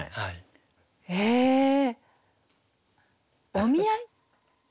「お見合い」？